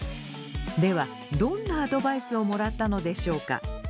ではどんなアドバイスをもらったのでしょうか。